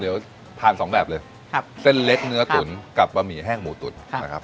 เดี๋ยวทานสองแบบเลยเส้นเล็กเนื้อตุ๋นกับบะหมี่แห้งหมูตุ๋นนะครับ